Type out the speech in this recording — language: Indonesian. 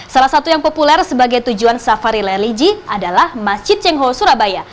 salah satu yang populer sebagai tujuan safari religi adalah masjid cengho surabaya